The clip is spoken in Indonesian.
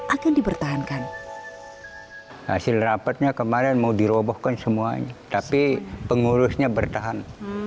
akan dipertahankan hasil rapatnya kemarin mau dirobohkan semuanya tapi pengurusnya bertahan